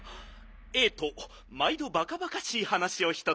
ええとまいどバカバカしいはなしをひとつ。